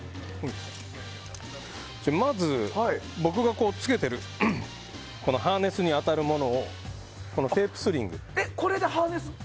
まず、僕がつけているハーネスに当たるもののテープスリング。